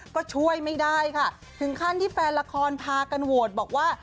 ก็ช่วยไม่ได้ค่ะถึงขั้นที่แฟนละครพากันโหวตบอกว่า